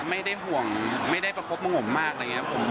ไม่ได้ห่วงไม่ได้ประคบประงมมากอะไรอย่างนี้